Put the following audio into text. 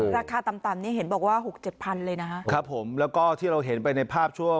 ราคาตำนี่เห็นบอกว่า๖๗พันเลยนะคะแล้วก็ที่เราเห็นไปในภาพ